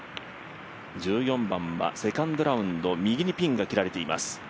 １４番はセカンドラウンド、右にピンが切られています。